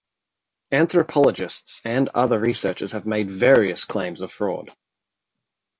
Anthropologists and other researchers have made various claims of fraud.